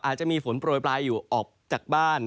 อาจจะมีฝนโปรยปลายอยู่ออกจากบ้าน